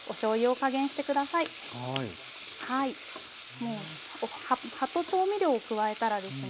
もう葉と調味料を加えたらですね